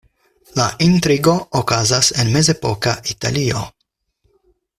La intrigo okazas en mezepoka Italio.